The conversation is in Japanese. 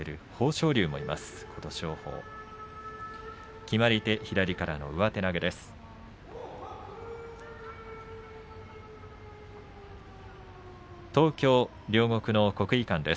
琴勝峰、決まり手左からの上手投げです。